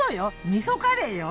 みそカレーよ！